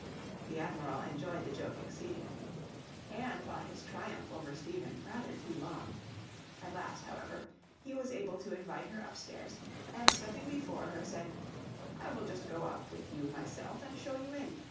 The Admiral enjoyed the joke exceedingly. Anne thought his triumph over Stephen rather too long. At last, however, he was able to invite her up stairs, and stepping before her said, 'I will just go up with you myself and show you in.